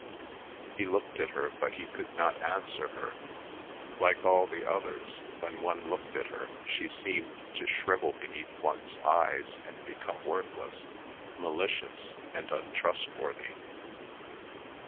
He looked at her but he could not answer her; like all the others, when one looked at her she seemed to shrivel beneath one's eyes and become worthless, malicious, and untrustworthy.